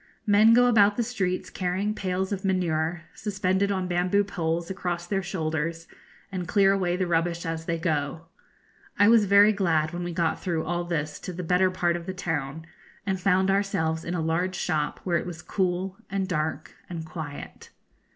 Men go about the streets carrying pails of manure, suspended on bamboo poles across their shoulders, and clear away the rubbish as they go. I was very glad when we got through all this to the better part of the town, and found ourselves in a large shop, where it was cool, and dark, and quiet.